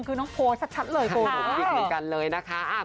คือน้องโพลชัดเลยโกรธมาก